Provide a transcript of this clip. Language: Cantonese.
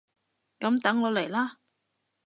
噉等我嚟喇！